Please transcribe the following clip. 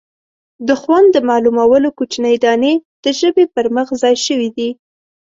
د خوند د معلومولو کوچنۍ دانې د ژبې پر مخ ځای شوي دي.